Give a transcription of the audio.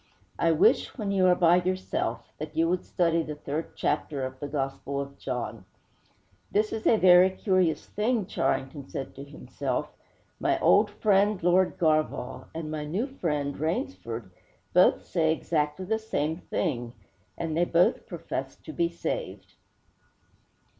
'I wish, when you are by yourself, that you would study the third chapter of the Gospel of John!' 'This is a very curious thing,' Charrington said to himself. 'My old friend, Lord Garvagh, and my new friend, Rainsford, both say exactly the same thing; and they both profess to be saved.'